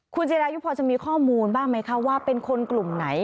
คุณจิรายุพอจะมีข้อมูลบ้างไหมคะว่าเป็นคนกลุ่มไหน